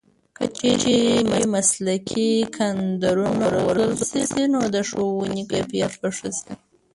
که چېرې مسلکي کدرونه وروزل شي نو د ښوونې کیفیت به ښه شي.